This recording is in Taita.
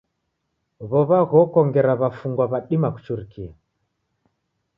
W'ow'a ghoko ngera w'afungwa w'adima kuchurikia.